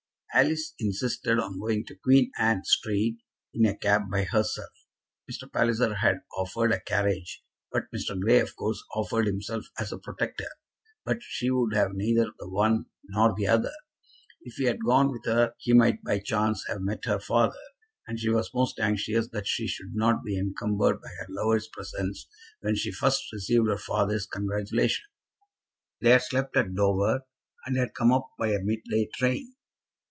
Alice insisted on going to Queen Anne Street in a cab by herself. Mr. Palliser had offered a carriage, and Mr. Grey, of course, offered himself as a protector; but she would have neither the one nor the other. If he had gone with her he might by chance have met her father, and she was most anxious that she should not be encumbered by her lover's presence when she first received her father's congratulations. They had slept at Dover, and had come up by a mid day train.